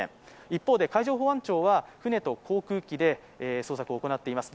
一方で海上保安庁は船と航空機で捜索を行っています。